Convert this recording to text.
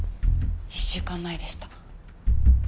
１週間前でした。